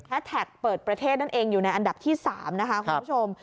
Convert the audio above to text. แท็กเปิดประเทศนั่นเองอยู่ในอันดับที่๓นะคะคุณผู้ชม